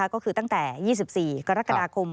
ก็คือตั้งแต่๒๔กรกฎาคม